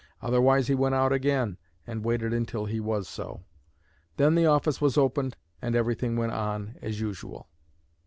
Otherwise he went out again and waited until he was so. Then the office was opened and everything went on as usual.